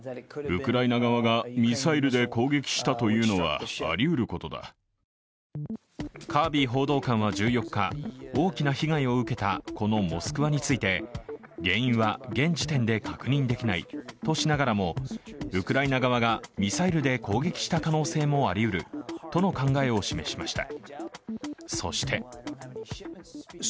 アメリカ国防総省はカービー報道官は１４日、大きな被害を受けたこの「モスクワ」について原因は現時点で確認できないとしながらもウクライナ側がミサイルで攻撃した可能性もありうるとの考えを示しました。